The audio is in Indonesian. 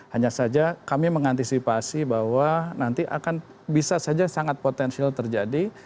hanya saja kami mengantisipasi bahwa nanti akan bisa saja sangat potensial terjadi